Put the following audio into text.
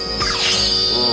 うん。